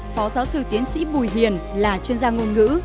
phó giáo sư tiến sĩ bùi hiền là chuyên gia ngôn ngữ